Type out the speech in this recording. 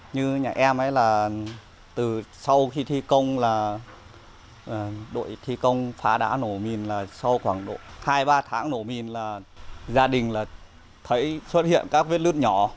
như nhà em ấy là từ sau khi thi công là đội thi công phá đá nổ mìn là sau khoảng hai ba tháng nổ mìn là gia đình là thấy xuất hiện các vết lướt nhỏ